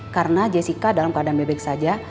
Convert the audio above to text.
karena jessica dalam keadaan baik baik saja